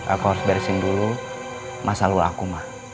aku harus beresin dulu masalah lo aku ma